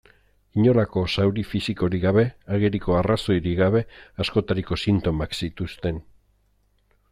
Inolako zauri fisikorik gabe, ageriko arrazoirik gabe, askotariko sintomak zituzten.